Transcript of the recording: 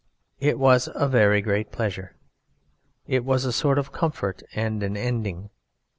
It was a very great pleasure ... it was a sort of comfort and an ending.